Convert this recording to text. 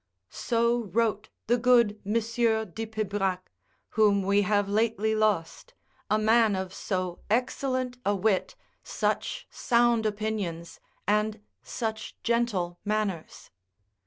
] So wrote the good Monsieur de Pibrac, whom we have lately lost, a man of so excellent a wit, such sound opinions, and such gentle manners.